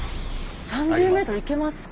３０ｍいけますか。